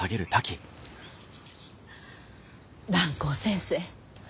蘭光先生。